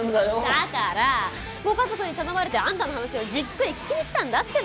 だからご家族に頼まれてあんたの話をじっくり聞きに来たんだってば。